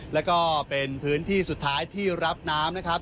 แล้วก็เป็นพื้นที่สุดท้ายที่รับน้ำนะครับ